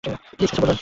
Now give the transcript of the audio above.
Please কিছু করুন।